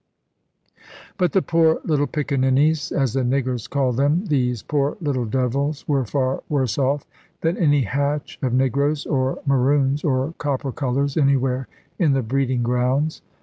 But the poor little "piccaninies," as the niggers call them these poor little devils were far worse off than any hatch of negroes, or Maroons, or copper colours anywhere in the breeding grounds.